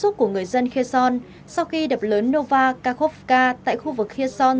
các sức của người dân kherson sau khi đập lớn nova kakhovka tại khu vực kherson